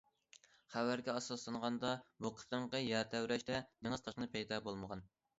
خەۋەرگە ئاساسلانغاندا، بۇ قېتىمقى يەر تەۋرەشتە دېڭىز تاشقىنى پەيدا بولمىغان.